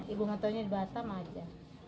ibu gak taunya di batam aja